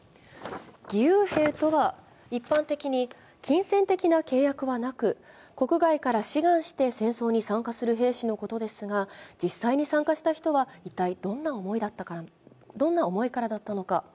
義勇兵とは一般的に、金銭的な契約はなく、国外から志願して戦争に参加する兵士のことですが、実際に参加した人は、一体どんな思いからだったのか。